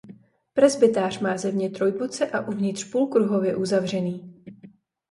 Presbytář má zevně trojboce a uvnitř půlkruhově uzavřený.